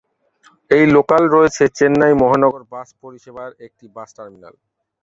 এই লোকাল রয়েছে চেন্নাই মহানগর বাস পরিষেবার একটি বাস টার্মিনাল।